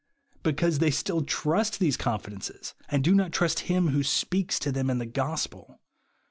Because they still trust these confidences, and do not trust him who speaks to them in the gospel.